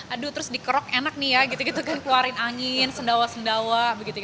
aduh terus dikerok enak nih ya keluarin angin sendawa sendawa